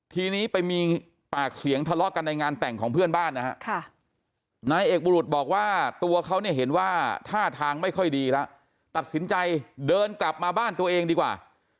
ทีนี้ไปมีปากเสียงทะเลาะกันในงานแต่งของเพื่อนบ้านนะฮะนายเอกบุรุษบอกว่าตัวเขาเนี่ยเห็นว่าท่าทางไม่ค่อยดีแล้วตัดสินใจเดินกลับมาบ้านตัวเองดีกว่า